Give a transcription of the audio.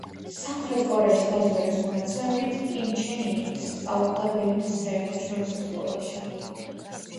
სამხრეთ კორეის დაზვერვის მონაცემებით კიმ ჩენ ინი სწავლობდა ბერნის საერთაშორისო სკოლაში.